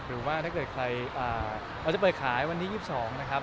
หรือว่าถ้าเกิดใครเราจะเปิดขายวันที่๒๒นะครับ